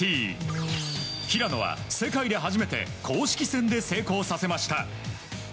平野は、世界で初めて公式戦で成功させました。